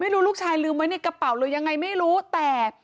ลูกชายลืมไว้ในกระเป๋าหรือยังไงไม่รู้แต่